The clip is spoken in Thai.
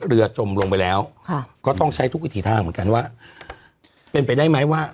จมลงไปแล้วก็ต้องใช้ทุกวิถีทางเหมือนกันว่าเป็นไปได้ไหมว่า